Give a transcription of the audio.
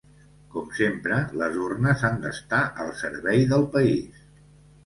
Com sempre, les urnes han d’estar al servei del país.